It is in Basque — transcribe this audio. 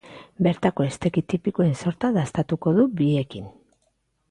Bertako hesteki tipikoen sorta dastatuko du biekin.